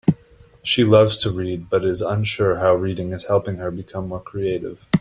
She loves to read, but is unsure how reading is helping her become more creative.